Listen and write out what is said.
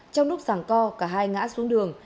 trong lúc giảng co cả hai ngã xuống đường